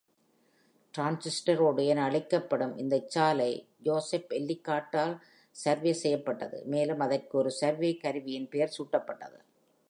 Transit road என அழைக்கப்படும இந்தச் சாலை ஜோஸப் எல்லிக்காட்டால் சர்வே செய்யப்பட்டது, மேலும் அதற்கு ஒரு சர்வே கருவியின் பெயர் சூட்டப்பட்டது.